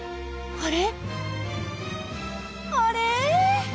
あれ！？